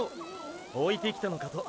置いてきたのかと。